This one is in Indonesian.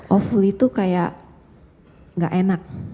offli itu kayak gak enak